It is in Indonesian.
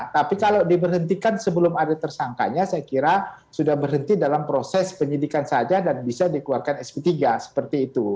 tapi kalau diberhentikan sebelum ada tersangkanya saya kira sudah berhenti dalam proses penyidikan saja dan bisa dikeluarkan sp tiga seperti itu